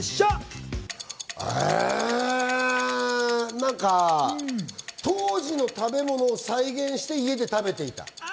何か当時の食べ物を再現して、家で食べていた。